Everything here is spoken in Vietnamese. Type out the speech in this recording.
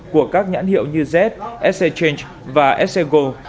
của các nhãn hiệu như z s a change và s a go